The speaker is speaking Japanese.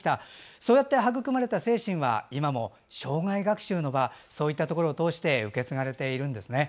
そうやって育まれた精神は今も生涯学習の場などを通して受け継がれているんですね。